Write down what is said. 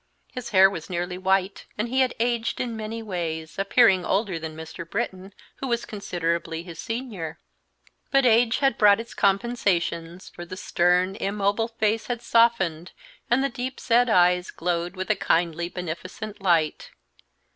His hair was nearly white and he had aged in many ways, appearing older than Mr. Britton, who was considerably his senior; but age had brought its compensations, for the stern, immobile face had softened and the deep set eyes glowed with a kindly, beneficent light.